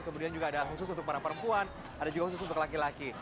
kemudian juga ada khusus untuk para perempuan ada juga khusus untuk laki laki